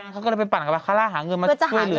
ก็คุณยังเล่นหวยเลย